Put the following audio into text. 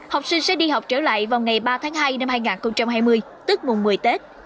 học sinh sẽ đi học trở lại vào ngày ba tháng hai năm hai nghìn hai mươi tức mùng một mươi tết